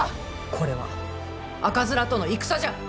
これは赤面との戦じゃ。